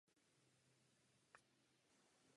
Je načase s takovým imperialismem skoncovat.